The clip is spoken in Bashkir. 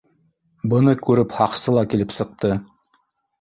Быны күреп, һаҡсы ла килеп сыҡты: